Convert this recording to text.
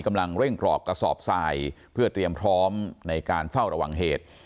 กำลังเร่งกรอกกระสอบทรายเพื่อเตรียมพร้อมในการเฝ้าระวังเหตุ